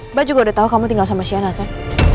mbak juga udah tau kamu tinggal sama sienna kan